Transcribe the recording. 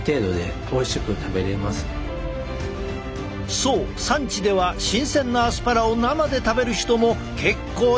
そう産地では新鮮なアスパラを生で食べる人も結構いるんだとか！